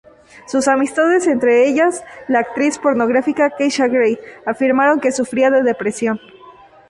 Sus amistades, entre ellas la actriz pornográfica Keisha Grey, afirmaron que sufría de depresión.